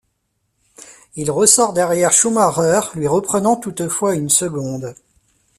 Il ressort derrière Schumacher lui reprenant toutefois une seconde.